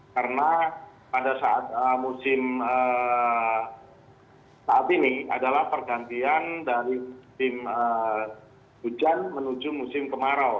karena pada saat musim saat ini adalah pergantian dari musim hujan menuju musim kemarau